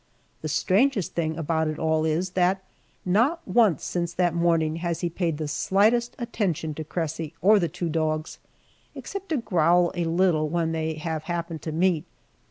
The strangest thing about it all is, that not once since that morning has he paid the slightest attention to Cressy or the two dogs, except to growl a little when they have happened to meet.